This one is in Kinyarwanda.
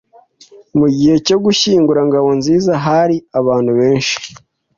Mu gihe cyo gushyingura Ngabonziza hari abantu benshi.